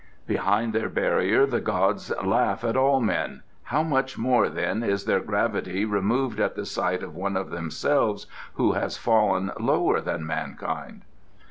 "Behind their barrier the gods laugh at all men. How much more, then, is their gravity removed at the sight of one of themselves who has fallen lower than mankind?"